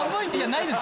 ないです